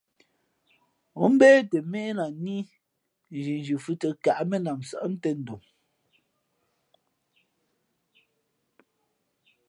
Ǒ mbě tα měh lah ní, nzhinzhi fhʉ̄ tᾱ káʼmenam nsάʼ tēn dom.